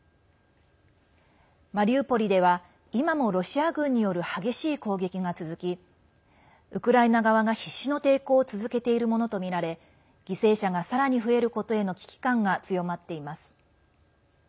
マリウポリでは今もロシア軍による激しい攻撃が続きウクライナ側が必死の抵抗を続けているものとみられ犠牲者がさらに増えることへの危機感が強まっています。